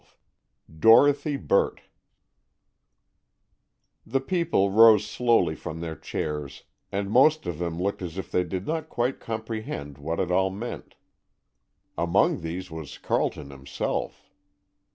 XII DOROTHY BURT The people rose slowly from their chairs, and most of them looked as if they did not quite comprehend what it all meant. Among these was Carleton himself.